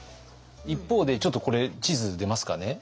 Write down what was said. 一方でちょっとこれ地図出ますかね。